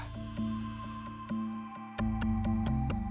ruang publik terpadu rama anak